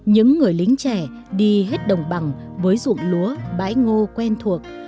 những người lính trẻ đi hết đồng bằng với dụng lúa bãi ngô quen thuộc